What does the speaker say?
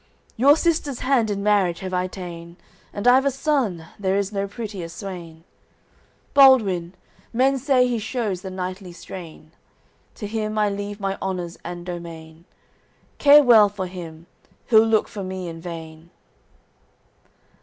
Your sister's hand in marriage have I ta'en; And I've a son, there is no prettier swain: Baldwin, men say he shews the knightly strain. To him I leave my honours and domain. Care well for him; he'll look for me in vain."